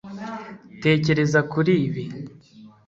tekereza kuri ibi